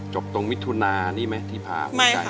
จบตรงมิถุนานี่ไหมที่พ่างคุณได้